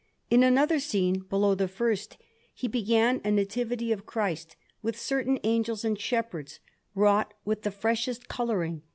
In another scene below the first he began a Nativity of Christ, with certain angels and shepherds, wrought with the freshest colouring.